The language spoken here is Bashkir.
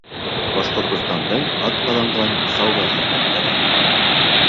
Башҡортостандың атҡаҙанған сауҙа хеҙмәткәре.